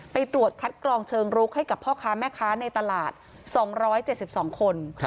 ไปตรวจคัดกรองเชิงรุกให้กับพ่อค้าแม่ค้าในตลาด๒๗๒คน